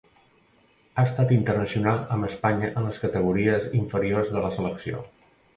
Ha estat internacional amb Espanya en les categories inferiors de la selecció.